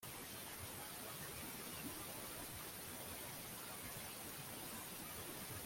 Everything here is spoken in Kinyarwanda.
bamukuyoboraho kuko bari bazi uwo uriwe